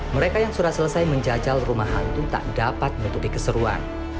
mereka yang sudah selesai menjajal rumah hantu tak dapat menutupi keseruan